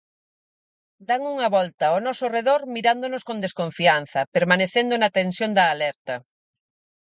Dan unha volta ó noso redor mirándonos con desconfianza, permanecendo na tensión da alerta.